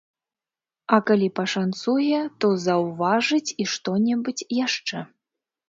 А калі пашанцуе, то заўважыць і што-небудзь яшчэ.